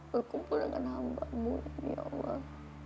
berkumpul dengan hambamu ini allah